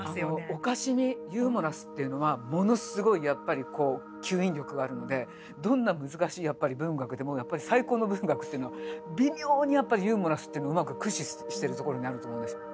おかしみユーモラスっていうのはものすごいやっぱり吸引力があるのでどんな難しいやっぱり文学でもやっぱり最高の文学っていうのは微妙にやっぱりユーモラスっていうのをうまく駆使してるところにあると思うんですよ。